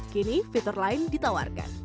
kini fitur lain ditawarkan